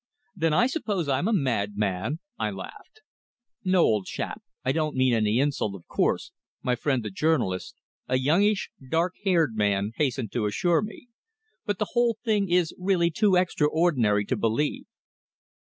"Then I suppose I'm a madman?" I laughed. "No, old chap. I don't mean any insult, of course," my friend the journalist, a youngish, dark haired man, hastened to assure me. "But the whole thing is really too extraordinary to believe."